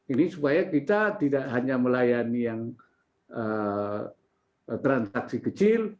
ini supaya kita tidak hanya melayani yang transaksi kecil